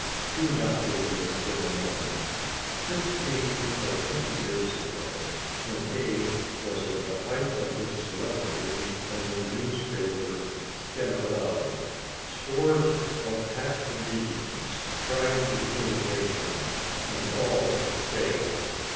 Do not believe it for a moment. Fifteen or twenty years ago, when Ade was at the height of his celebrity as a newspaper Sganarelle, scores of hack comedians tried to imitate him—and all failed.